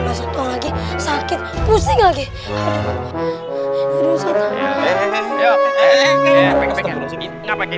masuk lagi sakit pusing lagi ya dokter